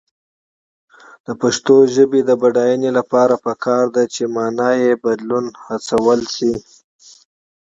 د پښتو ژبې د بډاینې لپاره پکار ده چې معنايي بدلون هڅول شي.